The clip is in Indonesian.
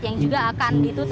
yang juga akan